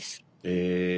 へえ。